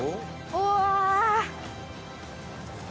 うわ！